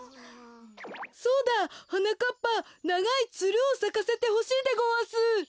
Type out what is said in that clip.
そうだはなかっぱながいつるをさかせてほしいでごわす。